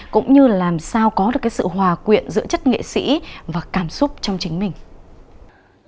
cũng như làm sao có được cái sự hòa quyện giữa chất nghệ sĩ và cảm xúc trong chính mình